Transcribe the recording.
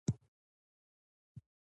حال دا چې علمي لحاظ بحث وشي